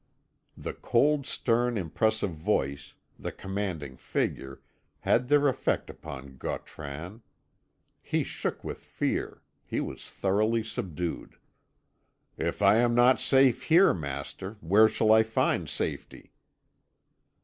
The cold, stern, impressive voice, the commanding figure, had their effect upon Gautran. He shook with fear; he was thoroughly subdued. "If I am not safe here, master, where shall I find safety?"